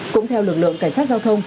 cũng theo lực lượng cảnh sát giao thông